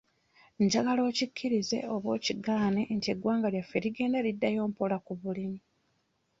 Njagala okikkiriza oba okigaane nti eggwanga lyaffe ligenda liddayo mpola ku bulimi.